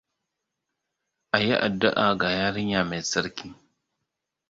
A yi addu'a ga yarinya mai tsarki.